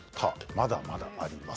まだまだあります。